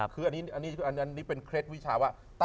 คืออันนี้เป็นเคล็ดวิชาว่า